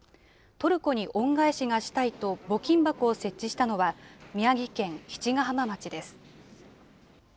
トルコに恩返しがしたいと募金箱を設置したのは、宮城県七ヶ浜町です。